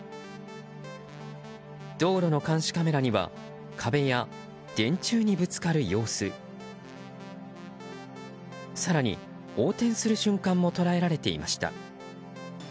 道路の監視カメラには壁や電柱にぶつかる様子更に、横転する瞬間も捉えられていました。